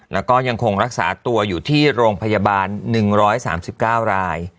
แล้วก็ยังคงรักษาตัวอยู่ที่โรงพยาบาล๑๓๙ราย